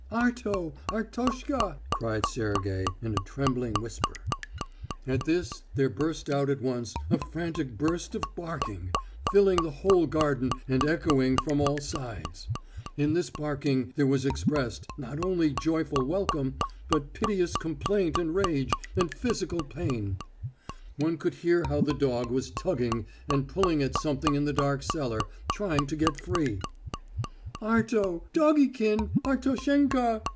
"Arto, Artoshka!" cried Sergey, in a trembling whisper. At this there burst out at once a frantic burst of barking, filling the whole garden and echoing from all sides. In this barking there was expressed, not only joyful welcome, but piteous complaint and rage, and physical pain. One could hear how the dog was tugging and pulling at something in the dark cellar, trying to get free. "Arto! Doggikin!... Artoshenka!..."